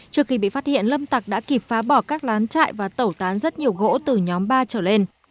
trước khi bị phát hiện lâm tạc đã kịp phá bỏ các lán chạy và tẩu tán rất nhiều gỗ từ nhóm ba trở lên